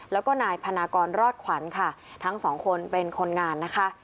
แล้วก็นายพนากรรอดขวัญค่ะทั้งสองคนเป็นคนงานนะคะ